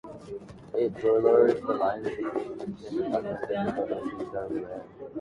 It blurs the lines between fiction and documentary because the scenes are re-enactments.